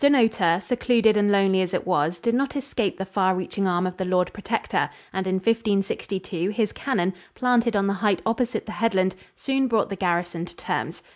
] But Dunnottar, secluded and lonely as it was, did not escape the far reaching arm of the Lord Protector, and in 1562 his cannon, planted on the height opposite the headland, soon brought the garrison to terms.